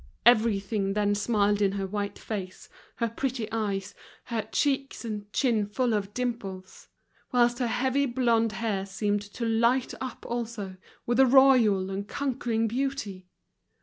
Everything then smiled in her white face, her pretty eyes, her cheeks and chin full of dimples; whilst her heavy blonde hair seemed to light up also, with a royal and conquering beauty.